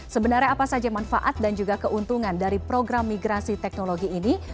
sebenarnya apa saja manfaat dan juga keuntungan dari program migrasi teknologi ini